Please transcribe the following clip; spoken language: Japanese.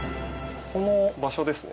この場所ですね。